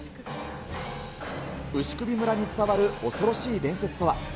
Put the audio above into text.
牛首村に伝わる恐ろしい伝説とは。